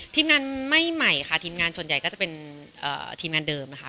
ทีมงานไม่ใหม่ค่ะทีมงานส่วนใหญ่ก็จะเป็นทีมงานเดิมนะคะ